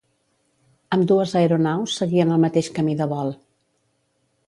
Ambdues aeronaus seguien el mateix camí de vol.